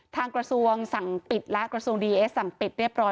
ทางกระทรวงสั่งปิดและกระทรวงดีเอสสั่งปิดเรียบร้อย